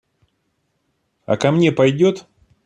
А ко мне пойдет?